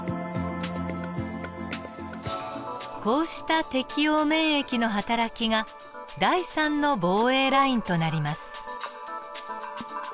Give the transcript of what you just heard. こうした適応免疫のはたらきが第３の防衛ラインとなります。